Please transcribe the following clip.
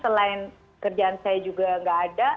selain kerjaan saya juga nggak ada